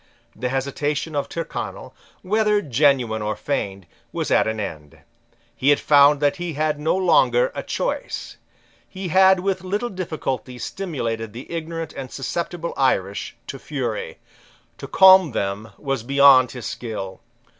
The hesitation of Tyrconnel, whether genuine or feigned, was at an end. He had found that he had no longer a choice. He had with little difficulty stimulated the ignorant and susceptible Irish to fury. To calm them was beyond his skill.